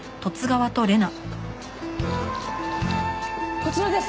こちらです！